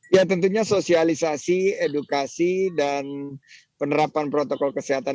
ya tentunya sosialisasi edukasi dan penerapan protokol kesehatan